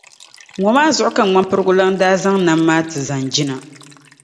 Ŋɔ maa zuɣu ka Ŋmampirigu Lana daa zaŋ Nam maa ti Zanjina.